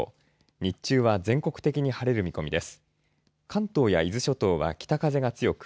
日中は全国的に晴れる見込みです。